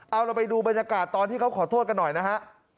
เอาเราไปดูบรรยากาศตอนที่เขาขอโทษกันหน่อยนะฮะ